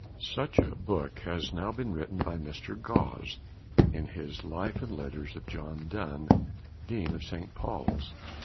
Such a book has now been written by Mr. Gosse, in his Life and Letters of John Donne, Dean of St. Paul's.